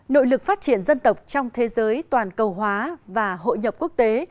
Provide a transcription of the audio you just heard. nội lực phát triển dân tộc trong thế giới toàn cầu hóa và hội nhập quốc tế